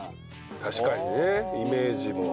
確かにねイメージも。